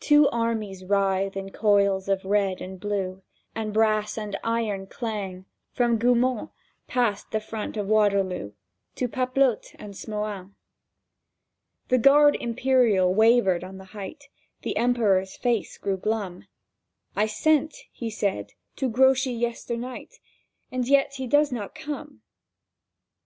—Two armies writhe in coils of red and blue, And brass and iron clang From Goumont, past the front of Waterloo, To Pap'lotte and Smohain. The Guard Imperial wavered on the height; The Emperor's face grew glum; "I sent," he said, "to Grouchy yesternight, And yet he does not come!"